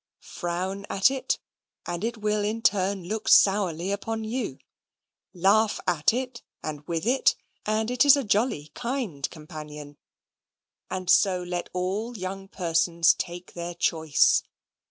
Frown at it, and it will in turn look sourly upon you; laugh at it and with it, and it is a jolly kind companion; and so let all young persons take their choice.